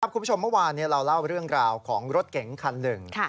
คุณผู้ชมเมื่อวานเราเล่าเรื่องราวของรถเก๋งคันหนึ่ง